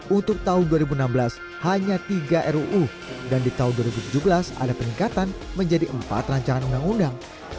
untuk tahun dua ribu enam belas hanya tiga ruu dan di tahun dua ribu tujuh belas ada peningkatan menjadi empat rancangan undang undang